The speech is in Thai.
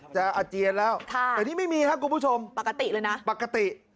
จะอาเจียนแล้วแต่นี่ไม่มีครับคุณผู้ชมปกติ